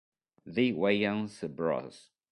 The Wayans Bros.